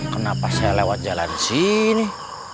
kenapa saya lewat jalan sini